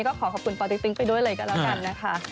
ก็ขอขอบคุณปติ๊กติ๊กไปด้วยเลยก็แล้วกันนะคะ